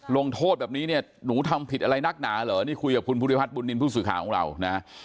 ลงโทษแบบนี้เนี่ยหนูทำผิดอะไรนักหนาเหรอนี่คุยกับคุณภูริพัฒนบุญนินทร์ผู้สื่อข่าวของเรานะ